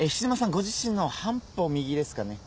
ご自身の半歩右ですかね。